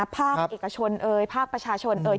ภาคเอกชนเอ่ยภาคประชาชนเอ่ย